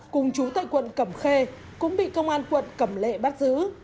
cùng chủ tại quận cầm khê cũng bị công an quận cầm lệ bắt giữ